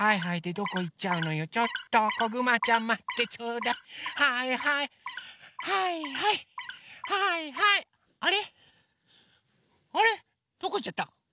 どこいっちゃった？